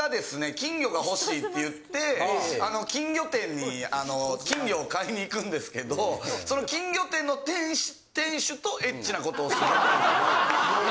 金魚が欲しいって言って金魚店に金魚を買いに行くんですけどその金魚店の店主とエッチなことをする。